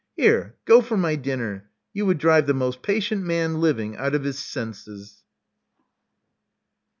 Here go for my dinner. You would drive the most patient man living out of his senses."